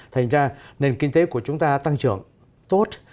thành ra nền kinh tế của chúng ta tăng trưởng tốt